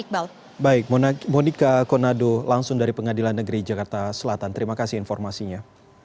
baik monika konado langsung dari pengadilan negeri jakarta selatan terima kasih informasinya